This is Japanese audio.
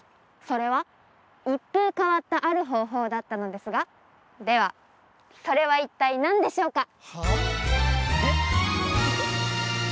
それは一風変わったある方法だったのですがではそれは一体何でしょうか？